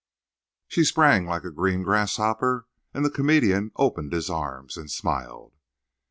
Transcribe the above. She sprang like a green grasshopper; and the comedian opened his arms, and—smiled.